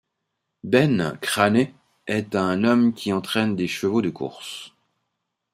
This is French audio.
Ben Crane est un homme qui entraine des chevaux de courses.